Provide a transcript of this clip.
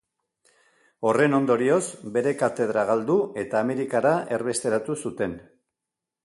Horren ondorioz, bere katedra galdu eta Amerikara erbesteratu zuten.